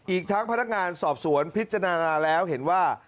อีกทั้งพนักงานสอบสวนพิจารณาแล้วเห็นว่า